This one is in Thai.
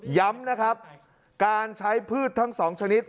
ย้ำนะครับการใช้พืชทั้ง๒ชนิด